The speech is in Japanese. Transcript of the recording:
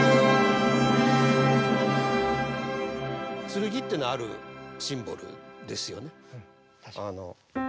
剣っていうのはあるシンボルですよね。